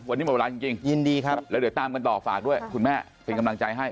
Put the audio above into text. วันนี้หมดเวลาจริงยินดีครับแล้วเดี๋ยวตามกันต่อฝากด้วยคุณแม่เป็นกำลังใจให้